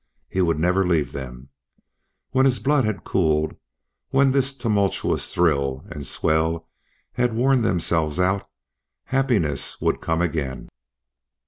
He would never leave them. When his blood had cooled, when this tumultuous thrill and swell had worn themselves out, happiness would come again.